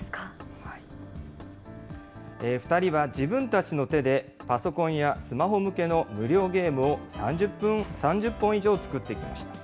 ２人は自分たちの手で、パソコンやスマホ向けの無料ゲームを３０本以上作ってきました。